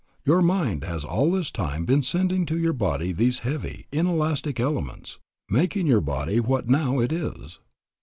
Your mind has all this time been sending to your body these heavy, inelastic elements, making your body what now it is.